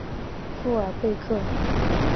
富尔贝克。